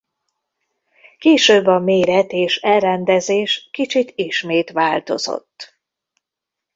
Később a méret és elrendezés kicsit ismét változott.